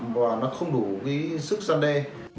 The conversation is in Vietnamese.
và nó không đủ sức dân đe